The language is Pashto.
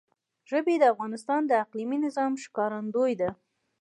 ژبې د افغانستان د اقلیمي نظام ښکارندوی ده.